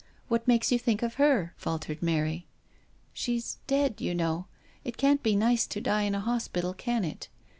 What makes you think of her ?" faltered Mary. " She's dead, you know. It can't be nice to die in a hospital, can it